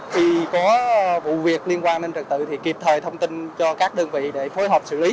vì có vụ việc liên quan đến trật tự thì kịp thời thông tin cho các đơn vị